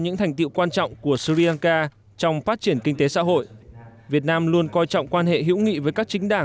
những thành tiệu quan trọng của sri lanka trong phát triển kinh tế xã hội